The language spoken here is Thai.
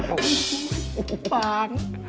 ป๋าง